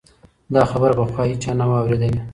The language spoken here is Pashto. دا خبره پخوا هیچا نه وه اورېدلې.